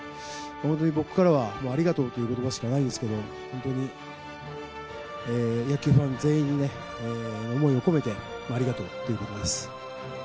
本当に僕からは、ありがとうということばしかないですけど、本当に野球ファン全員に、思いを込めて、ありがとうっていうことばです。